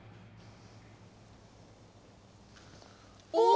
お！